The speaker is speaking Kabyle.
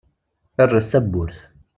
Rret tawwurt.